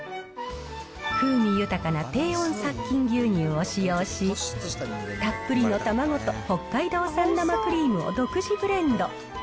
風味豊かな低温殺菌牛乳を使用し、たっぷりの卵と北海道産生クリームを独自ブレンド。